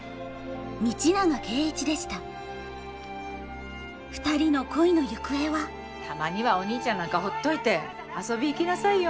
道永圭一でしたたまにはお兄ちゃんなんかほっといて遊び行きなさいよ。